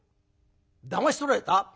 だまし取られた？